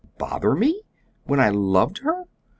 "Bother me? When I loved her?"